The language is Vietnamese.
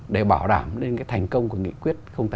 để bảo đảm lên cái thành công của nghị quyết tám